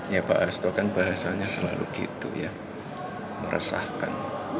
ya pak hasto kan bahasanya selalu gitu ya meresahkan